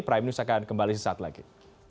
prime news akan kembali sesaat lagi